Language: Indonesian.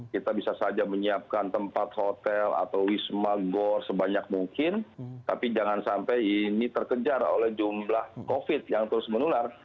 kita bisa saja menyiapkan tempat hotel atau wisma gor sebanyak mungkin tapi jangan sampai ini terkejar oleh jumlah covid yang terus menular